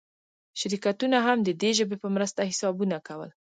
شرکتونه هم د دې ژبې په مرسته حسابونه کول.